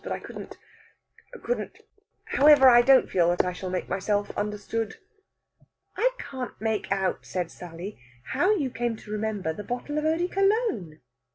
But I couldn't couldn't.... However, I don't feel that I shall make myself understood." "I can't make out," said Sally, "how you came to remember the bottle of eau de Cologne."